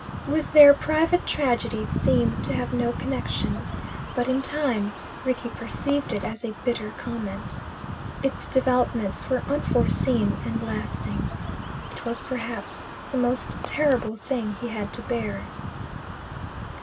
With their private tragedy it seemed to have no connection; but in time Rickie perceived it as a bitter comment. Its developments were unforeseen and lasting. It was perhaps the most terrible thing he had to bear.